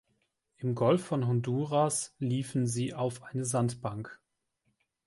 Im Golf von Honduras liefen sie auf eine Sandbank.